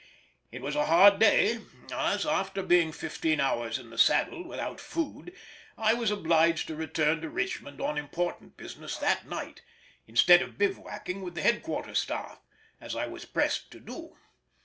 It was a hard day, as, after being fifteen hours in the saddle without food, I was obliged to return to Richmond on important business that night, instead of bivouacking with the Headquarters staff, as I was pressed to do.